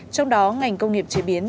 trong đó ngành công nghiệp chế biến